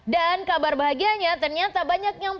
dan kabar bahagianya ternyata banyaknya google